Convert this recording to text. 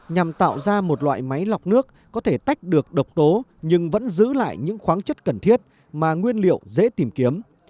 nhằm tạo ra một loại máy lọc nước có thể tách được độc tố nhưng vẫn giữ lại những khoáng chất cần thiết mà nguyên liệu dễ tìm kiếm